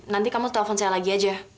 nanti kamu telpon saya lagi aja